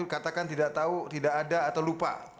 katakan tidak tahu tidak ada atau lupa